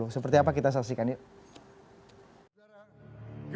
seperti apa kita saksikan yuk